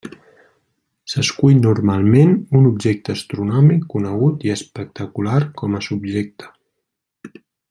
S'escull normalment un objecte astronòmic conegut i espectacular com a subjecte.